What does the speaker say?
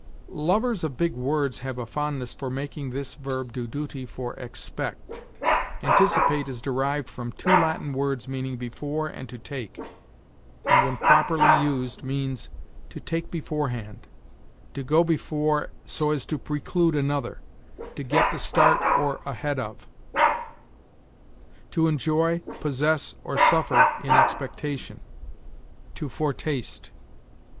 Lovers of big words have a fondness for making this verb do duty for expect. Anticipate is derived from two Latin words meaning before and to take, and, when properly used, means, to take beforehand; to go before so as to preclude another; to get the start or ahead of; to enjoy, possess, or suffer, in expectation; to foretaste.